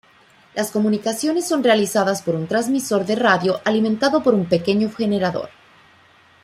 Las comunicaciones son realizadas por un transmisor de radio alimentado por un pequeño generador.